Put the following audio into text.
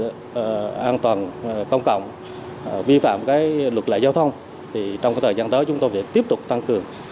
các hành vi trật tự an toàn công cộng vi phạm luật lệ giao thông trong thời gian tới chúng tôi sẽ tiếp tục tăng cường